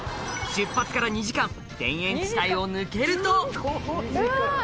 出発から２時間田園地帯を抜けるとうわ！